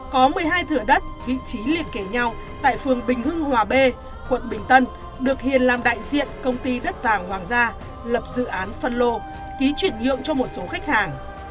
có một mươi hai thửa đất vị trí liên kể nhau tại phường bình hưng hòa b quận bình tân được hiền làm đại diện công ty đất vàng hoàng gia lập dự án phân lô ký chuyển nhượng cho một số khách hàng